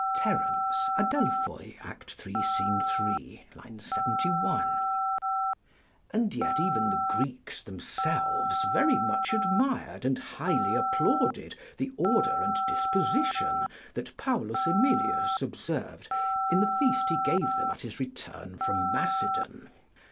Terence, Adelph., iii. 3, 71.] And yet even the Greeks themselves very much admired and highly applauded the order and disposition that Paulus AEmilius observed in the feast he gave them at his return from Macedon.